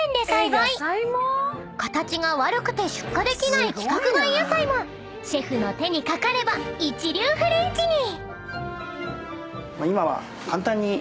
［形が悪くて出荷できない規格外野菜もシェフの手にかかれば一流フレンチに！］